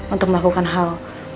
untuk melakukan hal